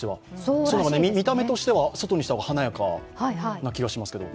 見た目としては外にした方が華やかな気がしますけど。